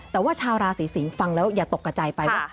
แต่ว่าชาวราศีสิงศ์ฟังแล้วอย่าตกกระใจไปว่า